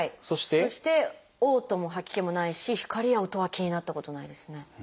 そしておう吐も吐き気もないし光や音が気になったことないですね。